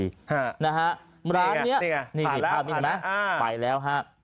ร้านนี้นี่เห็นภาพนี้ใช่ไหมไปแล้ว